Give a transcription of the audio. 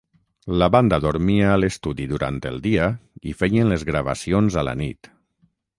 La banda dormia a l'estudi durant el dia i feien les gravacions a la nit.